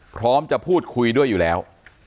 พร้อมจะพูดคุยด้วยอยู่แล้ว